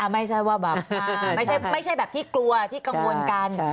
ไม่ใช่แบบที่กลัวที่กังวลกัน